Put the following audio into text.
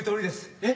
えっ？